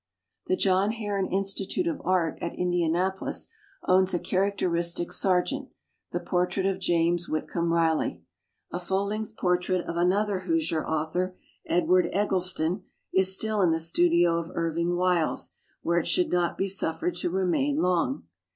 The John Herron Institute of Art at Indianapolis owns a characteristic Sargent — ^the portrait of James Whit comb Riley. A full length portrait of another Hoosier author, Edward Eg gleston, is still in the studio of Irving Wiles where it should not be suffered to remain long.